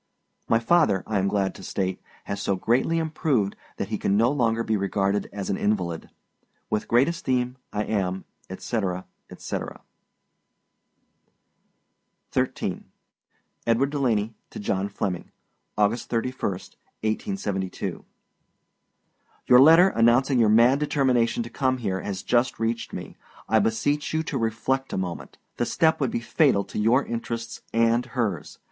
My father, I am glad to state, has so greatly improved that he can no longer be regarded as an invalid. With great esteem, I am, etc., etc. XIII. EDWARD DELANEY TO JOHN FLEMMING. August 31, 1872. Your letter, announcing your mad determination to come here, has just reached me. I beseech you to reflect a moment. The step would be fatal to your interests and hers.